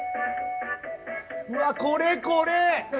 うわっこれこれ！